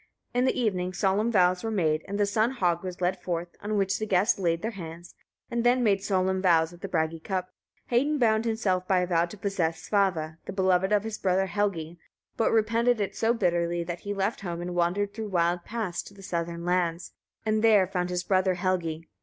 In the evening solemn vows were made, and the son hog was led forth, on which the guests laid their hands, and then made solemn vows at the Bragi cup. Hedin bound himself by a vow to possess Svava, the beloved of his brother Helgi; but repented it so bitterly that he left home and wandered through wild paths to the southern lands, and there found his brother Helgi.